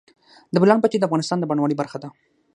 د بولان پټي د افغانستان د بڼوالۍ برخه ده.